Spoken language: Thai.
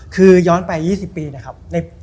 คือย้อนไป๒๐ปีนะครับ